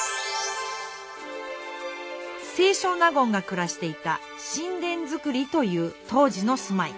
清少納言が暮らしていた寝殿造りという当時のすまい。